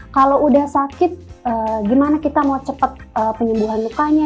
kalau udah sakit gimana kita mau cepat penyembuhan lukanya